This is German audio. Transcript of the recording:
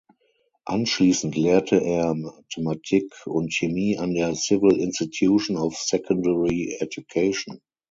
Anschließend lehrte er Mathematik und Chemie an der Civil Institution of Secondary Education.